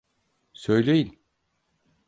Söyleyin.